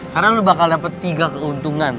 karena lu bakal dapet tiga keuntungan